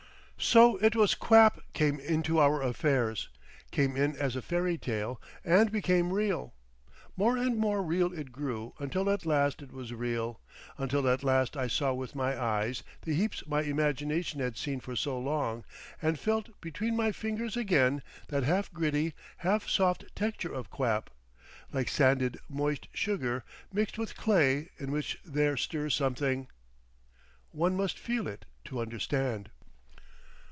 So it was quap came into our affairs, came in as a fairy tale and became real. More and more real it grew until at last it was real, until at last I saw with my eyes the heaps my imagination had seen for so long, and felt between my fingers again that half gritty, half soft texture of quap, like sanded moist sugar mixed with clay in which there stirs something— One must feel it to understand.